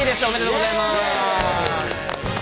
おめでとうございます。